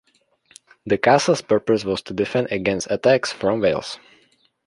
The castle's purpose was to defend against attacks from Wales.